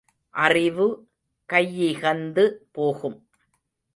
அறிவு கையிகந்து போகும்!